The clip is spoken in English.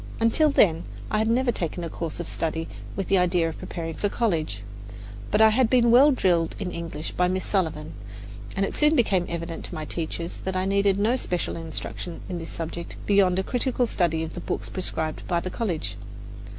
Until then I had never taken a course of study with the idea of preparing for college; but I had been well drilled in English by Miss Sullivan, and it soon became evident to my teachers that I needed no special instruction in this subject beyond a critical study of the books prescribed by the college.